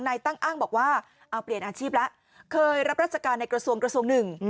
นายตั้งอ้างบอกว่าเอาเปลี่ยนอาชีพแล้วเคยรับราชการในกระทรวงกระทรวงหนึ่ง